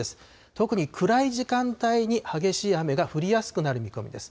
特に暗い時間帯に激しい雨が降りやすくなる見込みです。